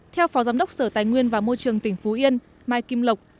theo phó giám đốc sở tài nguyên và môi trường tỉnh phú yên mai kim lộc